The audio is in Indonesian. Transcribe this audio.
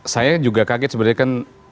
saya juga kaget sebenarnya kan